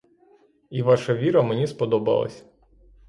І ваша віра мені сподобалась.